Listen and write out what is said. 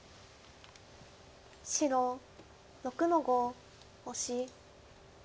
白６の五オシ。